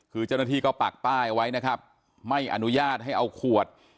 คือเจ้าหน้าที่ก็ปักป้ายเอาไว้นะครับไม่อนุญาตให้เอาขวด